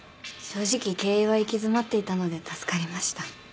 正直経営は行き詰まっていたので助かりました。